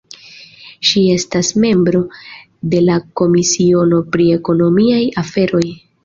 Ŝi estas membro de la komisiono pri ekonomiaj aferoj.